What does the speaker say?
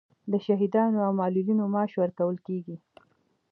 د شهیدانو او معلولینو معاش ورکول کیږي